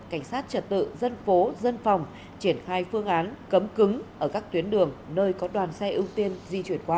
cảnh sát trật tự dân phố dân phòng triển khai phương án cấm cứng ở các tuyến đường nơi có đoàn xe ưu tiên di chuyển qua